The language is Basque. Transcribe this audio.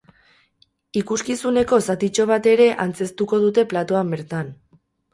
Ikuskizuneko zatitxo bat ere antzeztuko dute platoan bertan.